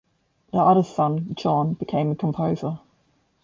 The other son, John, became a composer.